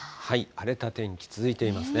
荒れた天気続いていますね。